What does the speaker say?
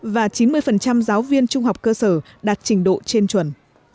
cái phần trăm giáo viên trung học cơ sở đạt trình độ trên chuẩn